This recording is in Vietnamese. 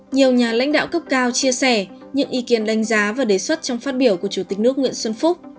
nhiều nhà lãnh đạo cấp cao chia sẻ những ý kiến đánh giá và đề xuất trong phát biểu của chủ tịch nước nguyễn xuân phúc